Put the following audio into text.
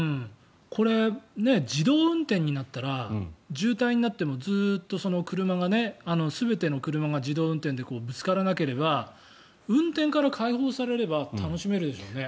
これ、自動運転になったら渋滞になってもずっと全ての車が自動運転でぶつからなければ運転から解放されれば楽しめるでしょうね。